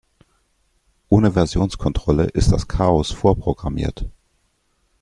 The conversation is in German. Ohne Versionskontrolle ist das Chaos vorprogrammiert.